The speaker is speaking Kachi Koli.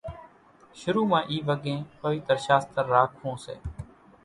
شرُو مان اِي وڳين پويتر شاستر راکوون سي